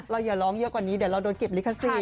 อย่าร้องเยอะกว่านี้เดี๋ยวเราโดนเก็บลิขสิทธ